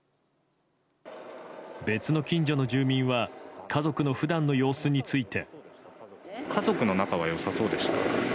別の近所の住民は家族の普段の様子について。